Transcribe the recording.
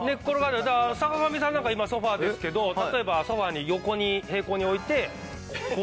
だから坂上さんなんか今ソファですけど例えばソファに横に平行に置いてこう。